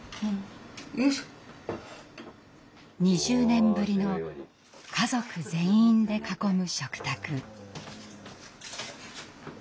２０年ぶりの家族全員で囲む食卓。